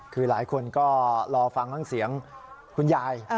คือหลายคนก็รอฟังทั้งเสียงคุณยาย